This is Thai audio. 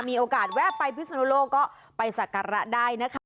มีโอกาสแวะไปพิศนุโลกก็ไปสักการะได้นะคะ